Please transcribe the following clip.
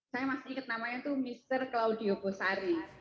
saya masih inget namanya itu mr claudio bosari